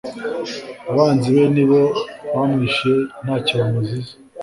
abanzi be nibo bamwishe ntacyo ba muziza